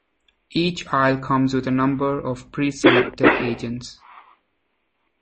Each isle comes with a number of pre-selected agents.